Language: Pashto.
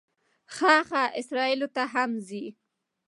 ښه ښه، اسرائیلو ته هم ځې.